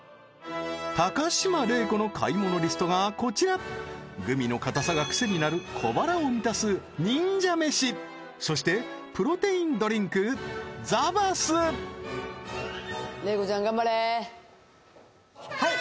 高島礼子の買い物リストがこちらグミの硬さが癖になる小腹を満たす忍者めしそしてプロテインドリンクＳＡＶＡＳはい